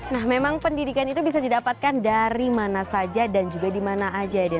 nah memang pendidikan itu bisa didapatkan dari mana saja dan juga dimana saja